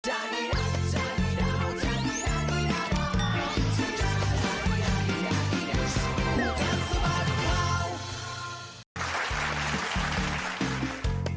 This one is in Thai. จังหิดาจังหิดาจังหิดาจังหิดาจังหิดา